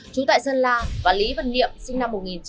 trú tại sơn la và lý vân niệm sinh năm một nghìn chín trăm tám mươi